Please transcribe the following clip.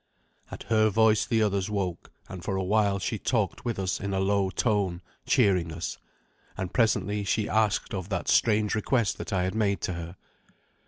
At her voice the others woke, and for a while she talked with us in a low tone, cheering us. And presently she asked of that strange request that I had made to her.